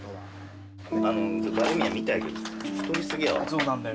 そうなんだよ。